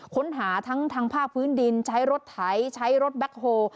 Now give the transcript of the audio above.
ค้นหาทั้งทางภาคพื้นดินใช้รถไถใช้รถแบ็คโฮล